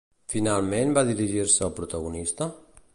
Finalment va dirigir-se al protagonista?